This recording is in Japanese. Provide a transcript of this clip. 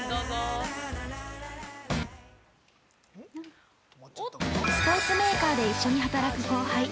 ◆スポーツメーカーで一緒に働く後輩。